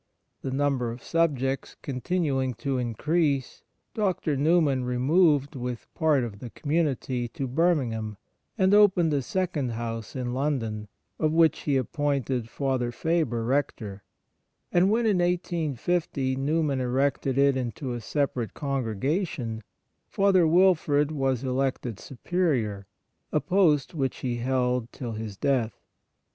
The number of subjects continuing to increase, Dr. Newman removed with part of the community to Birmingham, and opened a second house in London, of which he appointed Father Faber Rector; and when, in 1850, Newman erected it into a separate congregation, Father Wilfrid was elected Superior, a post which he held till his death.